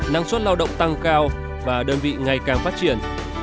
năng suất lao động tăng cao và đơn vị ngày càng phát triển